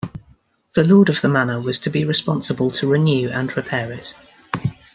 The Lord of the Manor was to be responsible to renew and repair it.